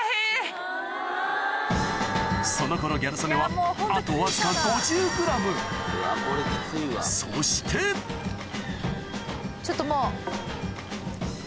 その頃ギャル曽根はあとわずかそしてちょっともう。